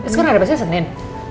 sekarang hari spesial senin